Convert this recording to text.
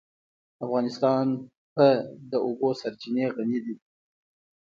افغانستان په د اوبو سرچینې غني دی.